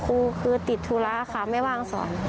ครูคือติดธุระค่ะไม่ว่างสอน